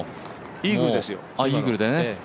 イーグルですよ、今の。